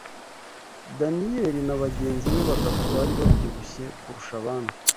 Daniyeli na bagenzi be batatu bari babyibushye kurusha abandi